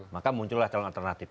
maka muncullah calon alternatif